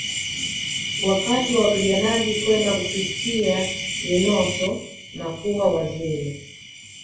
Wakati wa wapiganaji kwenda kupitia Eunoto na kuwa wazee